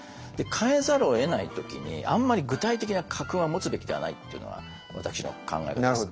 変えざるをえない時にあんまり具体的な家訓は持つべきではないっていうのは私の考え方です。